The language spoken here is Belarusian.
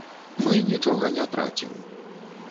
Мы нічога не трацім.